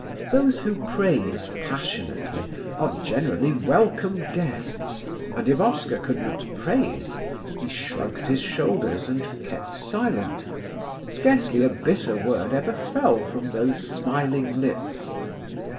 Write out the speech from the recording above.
Those who praise passionately are generally welcome guests and if Oscar could not praise he shrugged his shoulders and kept silent; scarcely a bitter word ever fell from those smiling lips.